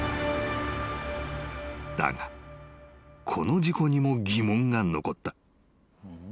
［だがこの事故にも疑問が残った］